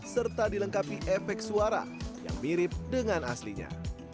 serta dilengkapi efek suara yang mirip dengan aslinya